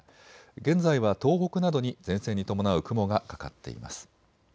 現在は東北などに前線に伴う雲がかかっています。